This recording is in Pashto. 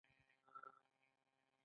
اتمه پوښتنه د ادارې تعریف او ډولونه دي.